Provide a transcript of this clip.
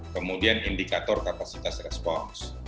kemudian indikator kapasitas respons